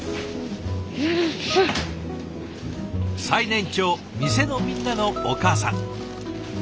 最年長店のみんなのお母さん。